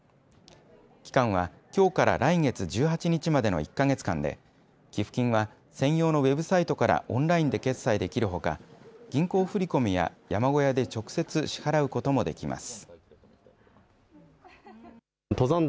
期間は、きょうから来月１８日までの１か月間で寄付金は専用のウェブサイトからオンラインで決済できるほか銀行振り込みや山小屋で直接支払うこともできます。